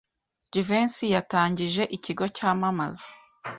Jivency yatangije ikigo cyamamaza.